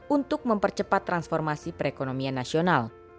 untuk mempercepat transformasi perekonomian nasional